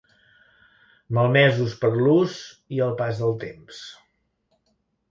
Malmesos per l'ús i el pas del temps.